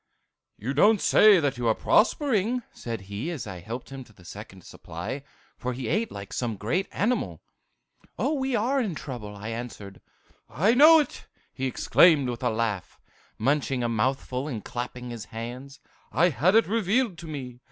"'You don't say that you're prospering,' said he, as I helped him to the second supply; for he ate like some great animal. "'We are in trouble!' I answered. "'I know it!' he exclaimed, with a laugh, munching a mouthful and clapping his hands. 'I had it revealed to me!